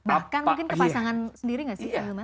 bahkan mungkin ke pasangan sendiri gak sih ahilman